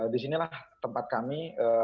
disinilah tempat kami